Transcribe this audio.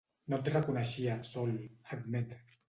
No et reconeixia, Sol —admet—.